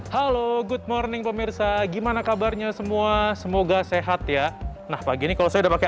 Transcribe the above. halo good morning pemirsa gimana kabarnya semua semoga sehat ya nah pagi ini kalau saya udah pakai